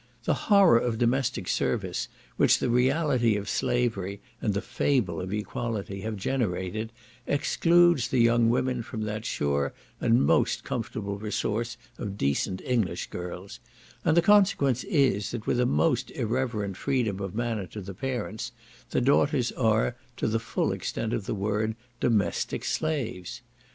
The horror of domestic service, which the reality of slavery, and the fable of equality, have generated, excludes the young women from that sure and most comfortable resource of decent English girls; and the consequence is, that with a most irreverend freedom of manner to the parents, the daughters are, to the full extent of the word, domestic slaves.